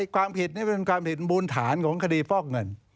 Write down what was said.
ความผิดนี่เป็นความผิดมูลฐานของคดีฟอกเงิน